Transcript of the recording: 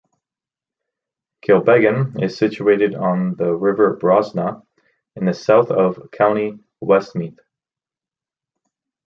Kilbeggan is situated on the River Brosna, in the south of County Westmeath.